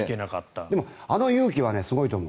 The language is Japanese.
でも、あの勇気はすごいと思う。